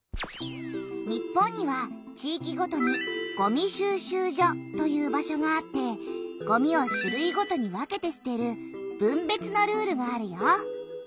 日本には地いきごとにごみ収集所という場所があってごみを種類ごとに分けてすてる分別のルールがあるよ。